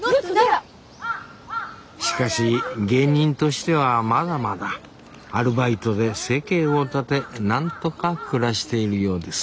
しかし芸人としてはまだまだアルバイトで生計を立てなんとか暮らしているようです